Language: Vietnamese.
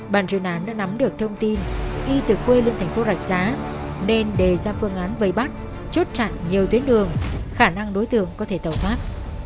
bàn chuyên án đã nắm được thông tin y từ quê lên thành phố rạch giá nên đề ra phương án vây bắt chốt chặn nhiều tuyến đường khả năng đối tượng có thể tẩu thoát